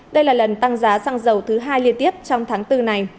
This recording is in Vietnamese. đây là lần tăng giá xăng dầu thứ hai liên tiếp trong tháng bốn này